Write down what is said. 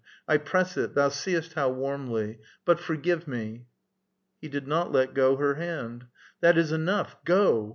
I press it, thou seest how warmly ! But forgive me." He did not let go her hand. " That is enough ! Go !